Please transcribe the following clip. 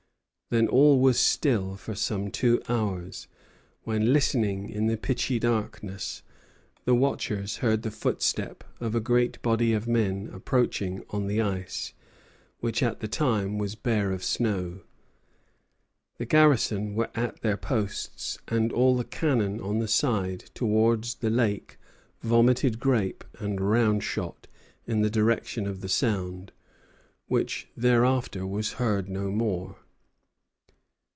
Then all was still for some two hours, when, listening in the pitchy darkness, the watchers heard the footsteps of a great body of men approaching on the ice, which at the time was bare of snow. The garrison were at their posts, and all the cannon on the side towards the lake vomited grape and round shot in the direction of the sound, which thereafter was heard no more.